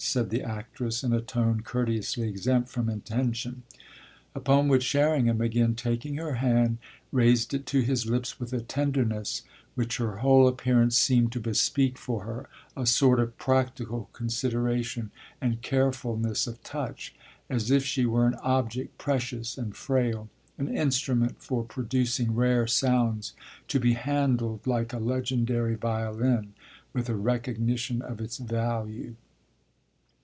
said the actress in a tone courteously exempt from intention: upon which Sherringham, again taking her hand, raised it to his lips with a tenderness which her whole appearance seemed to bespeak for her, a sort of practical consideration and carefulness of touch, as if she were an object precious and frail, an instrument for producing rare sounds, to be handled, like a legendary violin, with a recognition of its value.